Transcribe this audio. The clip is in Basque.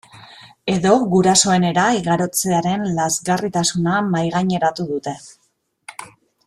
Edo gurasoenera igarotzearen lazgarritasuna mahaigaineratu dute.